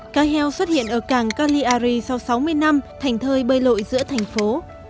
cá heo xuất hiện ở càng cagliari sau sáu mươi năm thành thời bơi lội giữa thành phố